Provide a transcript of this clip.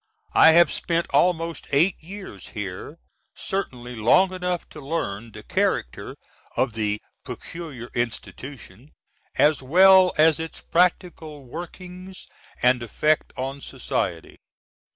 I have spent almost 8 years here certainly long enough to learn the character of the "peculiar institution" as well as its practical workings & effect on society.